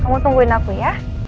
kamu tungguin aku ya